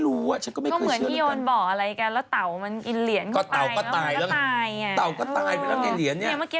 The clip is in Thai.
ความเชื่อในการโยนคืออะไรทำให้ชุกดี